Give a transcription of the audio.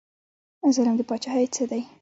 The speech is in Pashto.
ظلم د پاچاهۍ څه دی؟